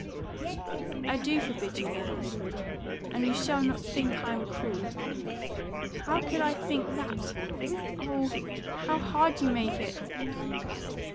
"I do forbid you, then. And you shall not think I am cruel " "How could I think that?" "Oh, how hard you make it!"